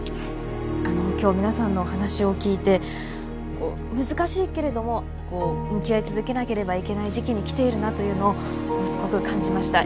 あの今日皆さんのお話を聞いて難しいけれども向き合い続けなければいけない時期に来ているなというのをものすごく感じました。